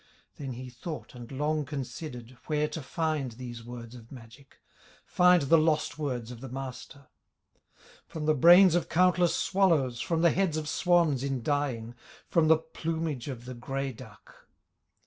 Then he thought and long considered, Where to find these words of magic, Find the lost words of the Master: "From the brains of countless swallows, From the heads of swans in dying, From the plumage of the gray duck?"